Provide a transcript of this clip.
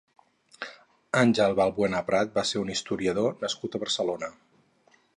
Ángel Valbuena Prat va ser un historiador nascut a Barcelona.